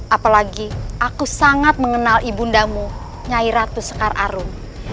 apalagi aku sangat mengenal ibundamu nyairatu sekar arun